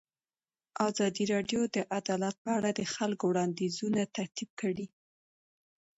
ازادي راډیو د عدالت په اړه د خلکو وړاندیزونه ترتیب کړي.